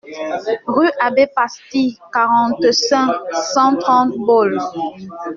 Rue Abbé Pasty, quarante-cinq, cent trente Baule